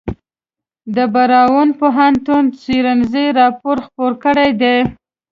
د براون پوهنتون څیړنیز راپور خپور کړی دی.